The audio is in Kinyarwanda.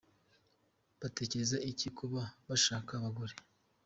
Batekereza iki ku kuba bashaka abagore?.